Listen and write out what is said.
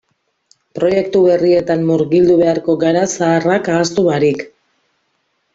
Proiektu berrietan murgildu beharko gara zaharrak ahaztu barik.